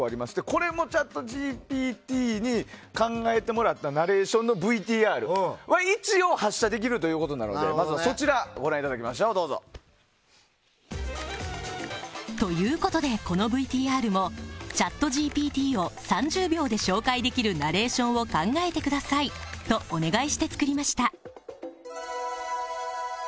これもＣｈａｔＧＰＴに考えてもらったナレーションのＶＴＲは一応発射できるということなのでまずはそちらをご覧ください。ということでこのＶＴＲもＣｈａｔＧＰＴを３０秒で紹介できるナレーションを考えてくださいとお願いして作りました。